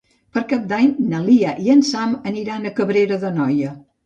Per Cap d'Any na Lia i en Sam aniran a Cabrera d'Anoia.